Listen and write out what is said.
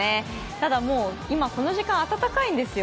ただ、今この時間、暖かいんですよ。